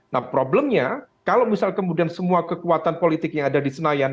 nah problemnya kalau misal kemudian semua kekuatan politik yang ada di senayan